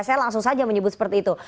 saya langsung saja menyebut seperti itu